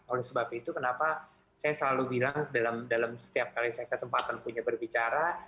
oleh sebab itu kenapa saya selalu bilang dalam setiap kali saya kesempatan punya berbicara